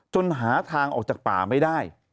หาทางออกจากป่าไม่ได้